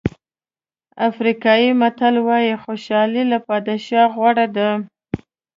افریقایي متل وایي خوشالي له بادشاهۍ غوره ده.